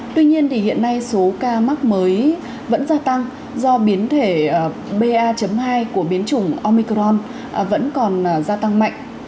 tuy nhiên hiện nay số ca mắc mới vẫn gia tăng do biến thể ba hai của biến chủng omicron vẫn còn gia tăng mạnh